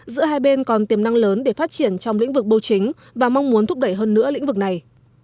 giữa hai bên còn tiềm năng lớn để phát triển trong lĩnh vực bưu chính và mong muốn thúc đẩy hơn nữa lĩnh vực này